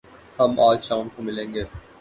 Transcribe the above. ہم آج شام کو ملیں گے